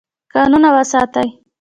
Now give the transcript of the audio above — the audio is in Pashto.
کانونه وساتئ.